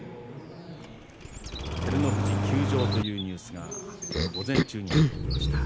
照ノ富士休場というニュースが今日の午前中に入ってきました。